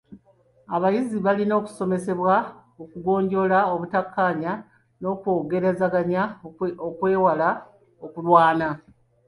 Abayizi balina okusomesebwa okugonjoola obutakkaanya na kwogerezaganya okwewala okulwana.